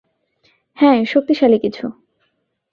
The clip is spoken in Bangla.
হ্যাঁ, শক্তিশালী কিছু।